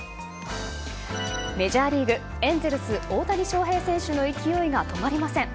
メジャーリーグ、エンゼルス大谷翔平選手の勢いが止まりません。